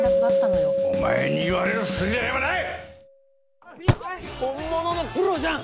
お前に言われる筋合いはない！